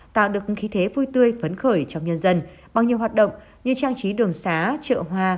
tạo được khí thế vui tươi phấn khởi trong nhân dân bằng nhiều hoạt động như trang trí đường xá chợ hoa